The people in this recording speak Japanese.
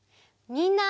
みんな。